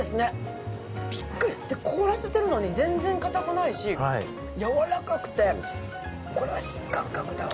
凍らせてるのに全然硬くないしやわらかくてこれは新感覚だわ。